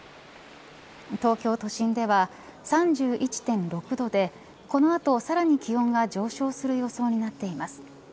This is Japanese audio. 東京都心では３１．６度でこの後さらに気温が上昇する予想になっています。